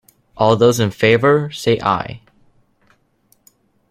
All those in favour, say Aye.